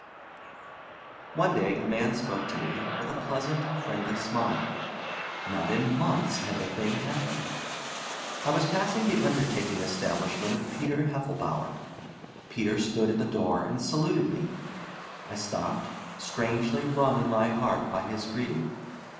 One day a man spoke to me, with a pleasant and friendly smile. Not in months had the thing happened. I was passing the undertaking establishment of Peter Heffelbower. Peter stood in the door and saluted me. I stopped, strangely wrung in my heart by his greeting.